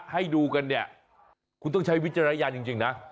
ให้ดูกันเนี่ยคุณต้องใช้วิจารณญาณจริงนะ